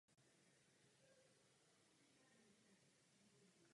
Přecházíme nyní k vytváření politiky v rámci nového kontextu.